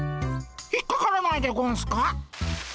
引っかからないでゴンスか？